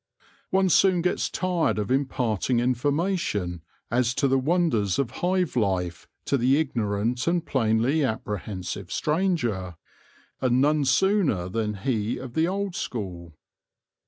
One soon gets tired of imparting information as to the wonders of hive life to the ignorant and plainly apprehensive stranger, and none sooner than he of the old school.